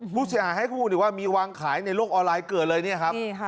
พวกผมให้คุณว่ามีวางขายในโลกออนไลน์เกิดเลยเนี่ยครับ